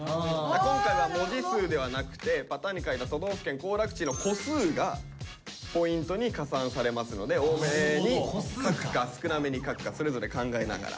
今回は文字数ではなくてパターンに書いた都道府県行楽地の個数がポイントに加算されますので多めに書くか少なめに書くかそれぞれ考えながら。